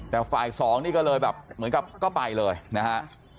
แต่ไฟล์๒นี่ก็เลยแบบเหมือนกับก็ไปเลยนะครับ